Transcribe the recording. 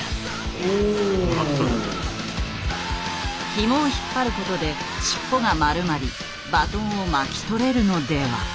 ひもを引っ張ることで尻尾が丸まりバトンを巻き取れるのでは。